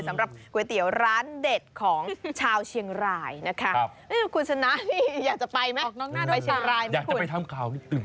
สำหรับก๋วยเตี๋ยวร้านเด็ดของชาวเชียงรายนะคะ